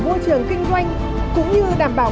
môi trường kinh doanh cũng như đảm bảo